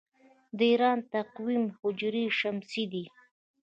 د ایران تقویم هجري شمسي دی.